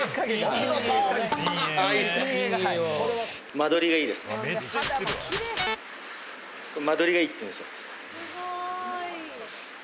間取りがいいっていうんですよ。